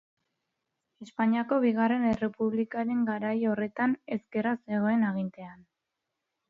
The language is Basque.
Espainiako Bigarren Errepublikaren garai horretan ezkerra zegoen agintean.